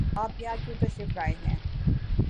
آپ یہاں کیوں تشریف لائے ہیں؟